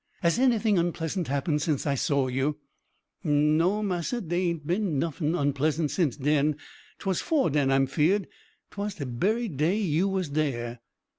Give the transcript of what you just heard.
Has anything unpleasant happened since I saw you?" "No, massa, dey aint bin noffin onpleasant since den 'twas 'fore den I'm feared 'twas de berry day you was dare."